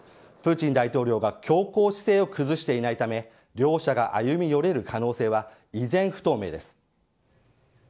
プーチン大統領が強硬姿勢を崩していないため両者が歩み寄れる可能性は依然、不透明です。